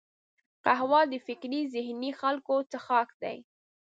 قهوه د فکري ذهیني خلکو څښاک دی